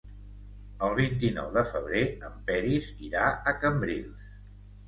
El vint-i-nou de febrer en Peris irà a Cambrils.